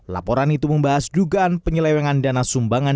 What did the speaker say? laporan itu membahas dugaan penyelewengan dana sumbangan